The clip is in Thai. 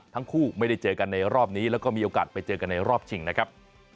ทั้งคู่ไม่ได้เจอกันในรอบนี้แล้วก็มีโอกาสไปเจอกันในรอบชิงนะครับ